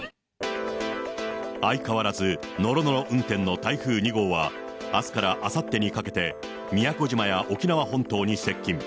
相変わらずのろのろ運転の台風２号は、あすからあさってにかけて、宮古島や沖縄本島に接近。